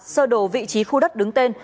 sơ đồ vị trí khu đất đứng tên